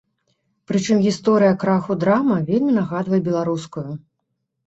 Прычым гісторыя краху драма вельмі нагадвае беларускую.